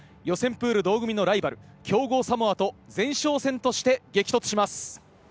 プール同組のライバル、強豪サモアと前哨戦として激突します。